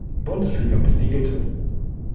Bundesliga besiegelte.